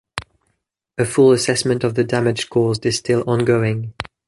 A full assessment of the damage caused is still ongoing.